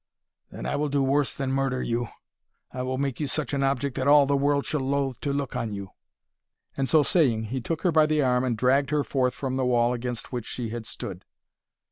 "Then I will do worse than murder you. I will make you such an object that all the world shall loathe to look on you." And so saying he took her by the arm and dragged her forth from the wall against which she had stood.